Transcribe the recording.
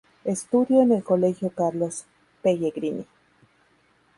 Estudio en el "Colegio Carlos Pellegrini".